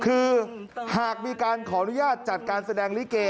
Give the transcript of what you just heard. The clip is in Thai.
คือหากมีการขออนุญาตจัดการแสดงลิเก